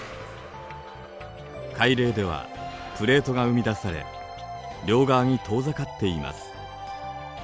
海嶺ではプレートが生み出され両側に遠ざかっています。